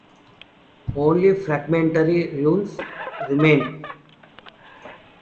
Only fragmentary ruins remain.